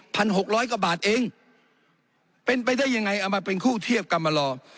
พันหกร้อยก็บาทเองเป็นไปได้ยังไงอ่ะมันเป็นคู่เทียบกำมาลอ